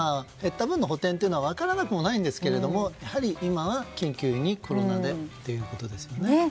減った分の補てんは分からなくもないんですけどやはり今は緊急にコロナでということですね。